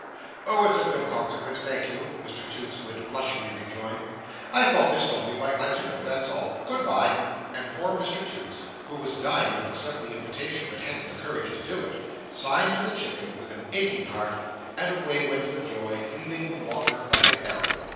"Oh, it's of no consequence, thank you!" Mr Toots would blushingly rejoin. "I thought Miss Dombey might like to know, that's all. Good bye!" And poor Mr Toots, who was dying to accept the invitation, but hadn't the courage to do it, signed to the Chicken, with an aching heart, and away went the Joy, cleaving the water like an arrow.